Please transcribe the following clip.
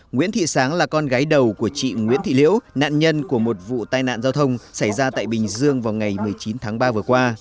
nguyễn thị sáng là con gái đầu của chị nguyễn thị liễu nạn nhân của một vụ tai nạn giao thông xảy ra tại bình dương vào ngày một mươi chín tháng ba vừa qua